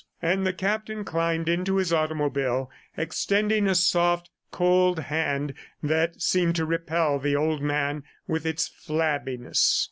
And the captain climbed into his automobile, extending a soft, cold hand that seemed to repel the old man with its flabbiness.